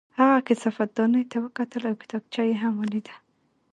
هغه کثافت دانۍ ته وکتل او کتابچه یې هم ولیده